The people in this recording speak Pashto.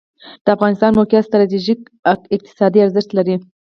د افغانستان موقعیت ستراتیژیک اقتصادي ارزښت لري